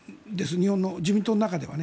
日本の自民党の中ではね。